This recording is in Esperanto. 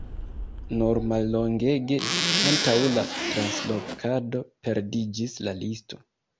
Nur mallongege antaŭ la translokado perdiĝis la listo.